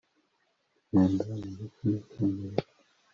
Nkunda umuziki nicyongereza